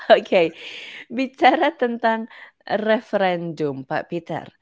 oke bicara tentang referendum pak peter